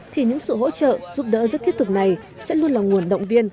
thì những sự hỗ trợ giúp đỡ rất thiết thực này sẽ luôn là nguồn động viên